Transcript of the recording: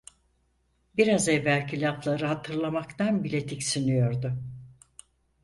Biraz evvelki lafları hatırlamaktan bile tiksiniyordu.